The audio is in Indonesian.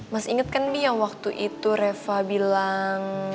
masih inget kan bi yang waktu itu reva bilang